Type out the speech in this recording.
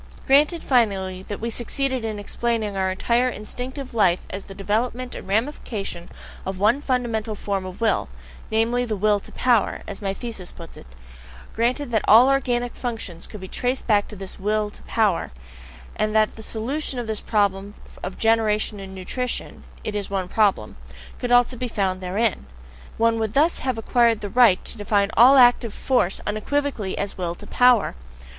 Granted, finally, that we succeeded in explaining our entire instinctive life as the development and ramification of one fundamental form of will namely, the Will to Power, as my thesis puts it; granted that all organic functions could be traced back to this Will to Power, and that the solution of the problem of generation and nutrition it is one problem could also be found therein: one would thus have acquired the right to define ALL active force unequivocally as WILL TO POWER.